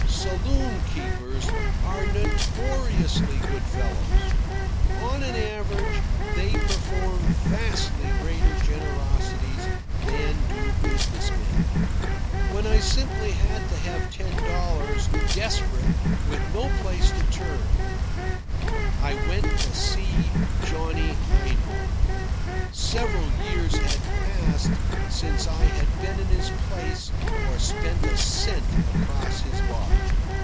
Saloon keepers are notoriously good fellows. On an average they perform vastly greater generosities than do business men. When I simply had to have ten dollars, desperate, with no place to turn, I went to Johnny Heinhold. Several years had passed since I had been in his place or spent a cent across his bar.